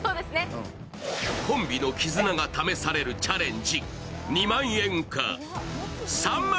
コンビの絆が試されるチャレンジ。